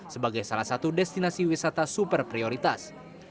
sebagai salah satu destinasi wisata super prioritas